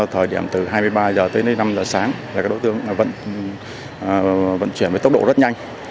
thời điểm từ hai mươi ba h tới năm h sáng là các đối tượng vẫn vận chuyển với tốc độ rất nhanh